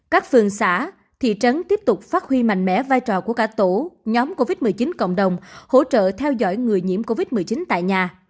các phường xã thị trấn tiếp tục phát huy mạnh mẽ vai trò của cả tổ nhóm covid một mươi chín cộng đồng hỗ trợ theo dõi người nhiễm covid một mươi chín tại nhà